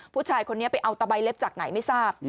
ผู้ชายคนนี้ไปเอาตะใบเล็บจากไหนไม่ทราบ